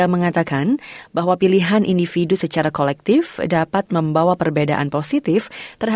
mengubah bank atau perusahaan superannuation